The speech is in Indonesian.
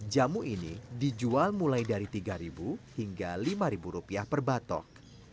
jamu ini dijual mulai dari rp tiga hingga rp lima per batok